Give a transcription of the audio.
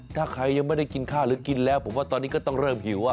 ถ้าใครยังไม่ได้กินข้าวหรือกินแล้วผมว่าตอนนี้ก็ต้องเริ่มหิว